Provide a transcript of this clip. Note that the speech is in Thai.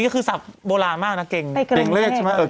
เกรงเลขใช่ไหม